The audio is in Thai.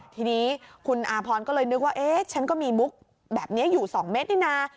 ทีนี้คุณอาพรก็เลยนึกว่าฉันก็มีมุกแบบนี้อยู่๒เมตรนี่นะ